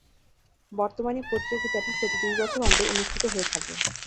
বর্তমানে প্রতিযোগিতাটি প্রতি দুই বছর অন্তর অনুষ্ঠিত হয়ে থাকে।